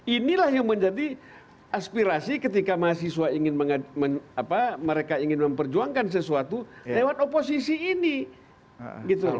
inilah yang menjadi aspirasi ketika mahasiswa ingin memperjuangkan sesuatu lewat oposisi ini